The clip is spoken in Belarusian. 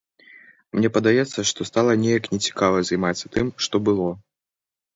Мне падаецца, што стала неяк не цікава займацца тым, што было.